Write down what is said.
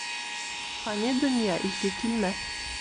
Фани донъя ике килмәҫ.